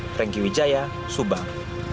franky wijaya subang